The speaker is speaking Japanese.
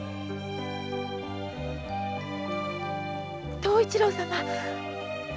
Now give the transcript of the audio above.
東一郎様。